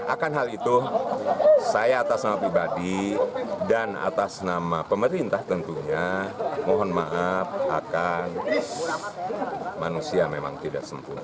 akan hal itu saya atas nama pribadi dan atas nama pemerintah tentunya mohon maaf akan manusia memang tidak sempurna